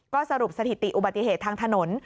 ก็สรุปสถิติอุบัติเหตุทางถนน